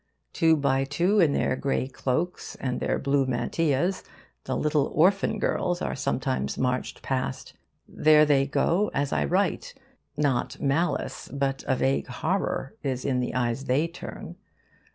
Two by two, in their grey cloaks and their blue mantillas, the little orphan girls are sometimes marched past. There they go, as I write. Not malice, but a vague horror, is in the eyes they turn.